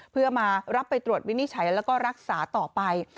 เพื่อมารับไปตรวจวินิจฉัยแล้วก็รักษาต่อไป